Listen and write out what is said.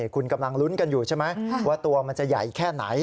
คุณกำลังลุ้นกันอยู่ใช่ไหมว่าตัวมันจะใหญ่แค่ไหน